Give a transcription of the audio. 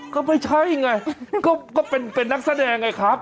ก็ไม่ใช่ไงก็เป็นนักแสดงไงครับ